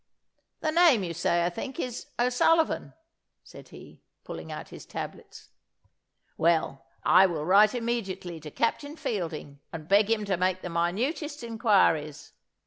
"The name, you say, I think, is O'Sullivan," said he, pulling out his tablets. "Well, I will write immediately to Captain Fielding, and beg him to make the minutest inquiries.